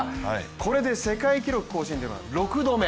これで世界記録更新は６度目。